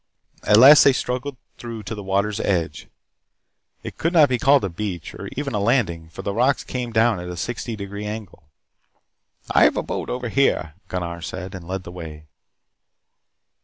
At last they struggled through to the water's edge. It could not be called a beach, or even a landing, for the rocks came down at a sixty degree angle. "I have a boat over here," Gunnar said, and led the way.